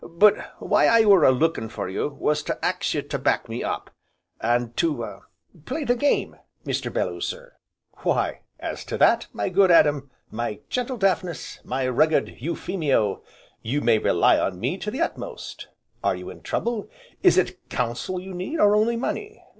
But why I were a lookin' for you was to ax you to back me up, an' to play the game, Mr. Belloo sir." "Why as to that, my good Adam, my gentle Daphnis, my rugged Euphemio, you may rely upon me to the uttermost. Are you in trouble? Is it counsel you need, or only money?